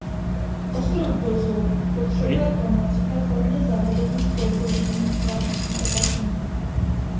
Ostrov Gozo potřebuje pomoc ve formě zavedení podobných zvláštních opatření.